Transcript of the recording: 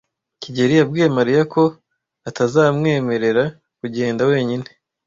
kigeli yabwiye Mariya ko atazamwemerera kugenda wenyine.